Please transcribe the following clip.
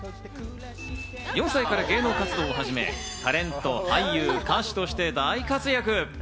４歳から芸能活動を始め、タレント、俳優、歌手として大活躍。